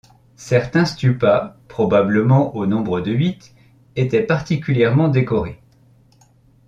Certains stupas, probablement au nombre de huit, étaient particulièrement décorés.